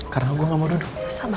karena gue gak mau duduk